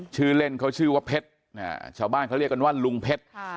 ชื่อเล่นเขาชื่อว่าเพชรชาวบ้านเขาเรียกกันว่าลุงเพชร